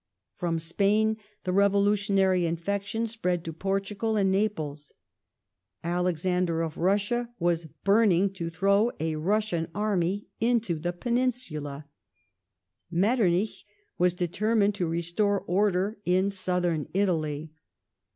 From Spain the revolutionary infection spread to ^Portugal and Naples. Alexander of Russia was burning to throw a Russian army into the Peninsula ; Metternich was determined to ^ restore order in Southern Italy.